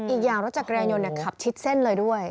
อีกอย่างรถจักรยานยนต์ขับชิดเส้นเลยด้วย